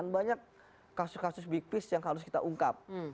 banyak kasus kasus big peace yang harus kita ungkap